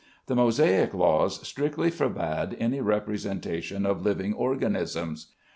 The Mosaic laws strictly forbade any representation of living organisms.